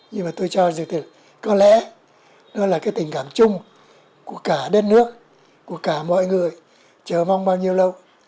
nhưng mà tôi cho dự thực có lẽ nó là cái tình cảm chung của cả đất nước của cả mọi người chờ mong bao nhiêu lâu